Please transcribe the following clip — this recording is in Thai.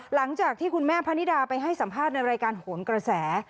หลังจากที่คุณแม่พะนิดาไปให้สัมภาษณ์ในรายการโหนกระแส